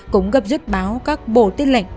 cũng gấp rứt báo các bộ tin lệnh